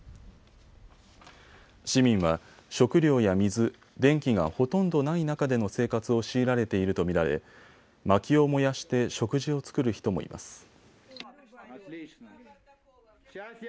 市民は食料や水、電気がほとんどない中での生活を強いられていると見られまきを燃やして食事を作る人もいます。